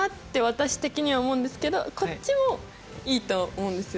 私的には思うんですけどこっちもいいと思うんですよ。